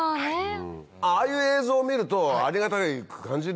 ああいう映像を見るとありがたく感じるよね。